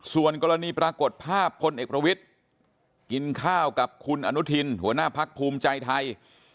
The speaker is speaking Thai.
ส่วนกรณีปรากฏภาพพลเอกประวิทธิ์กินข้าวกับคุณอนุทินหัวหน้าพักภูมิใจไทย